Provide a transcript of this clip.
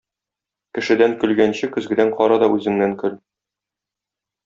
Кешедән көлгәнче көзгедән кара да үзеңнән көл!